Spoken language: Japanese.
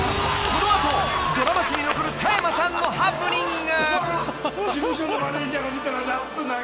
［この後ドラマ史に残る田山さんのハプニング］